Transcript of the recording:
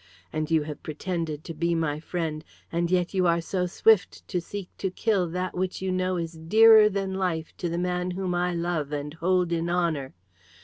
And you have pretended to be my friend, and yet you are so swift to seek to kill that which you know is dearer than life to the man whom I love and hold in honour.